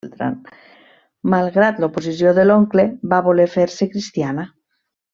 Malgrat l'oposició de l'oncle, va voler fer-se cristiana.